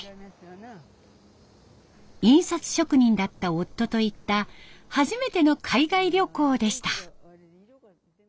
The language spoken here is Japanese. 印刷職人だった夫と行った初めての海外旅行でした。